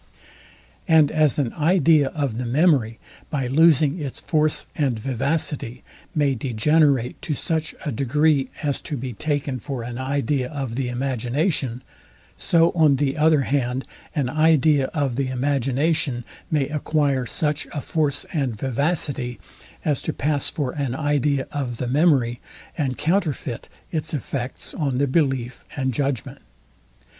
And as an idea of the memory, by losing its force and vivacity, may degenerate to such a degree, as to be taken for an idea of the imagination; so on the other hand an idea of the imagination may acquire such a force and vivacity, as to pass for an idea of the memory, and counterfeit its effects on the belief and judgment.